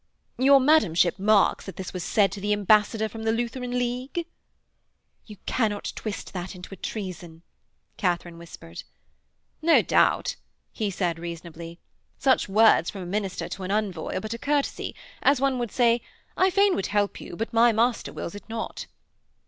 _"... Your madamship marks that this was said to the ambassador from the Lutheran league?' 'You cannot twist that into a treason,' Katharine whispered. 'No doubt,' he said reasonably, 'such words from a minister to an envoy are but a courtesy, as one would say, "_I fain would help you, but my master wills it not.